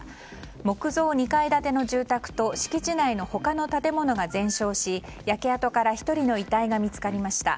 木造２階建ての住宅と敷地内の他の建物が全焼し、焼け跡から１人の遺体が見つかりました。